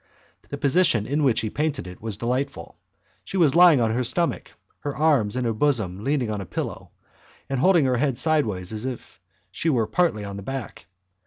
The position in which he painted it was delightful. She was lying on her stomach, her arms and her bosom leaning on a pillow, and holding her head sideways as if she were partly on the back.